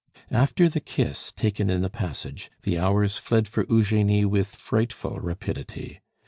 After the kiss taken in the passage, the hours fled for Eugenie with frightful rapidity.